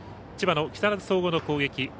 千葉の木更津総合の攻撃。